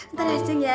ntar ya jeng ya